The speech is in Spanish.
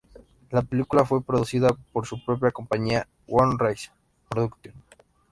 La película fue producida por su propia compañía One Race Productions.